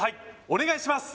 お願いします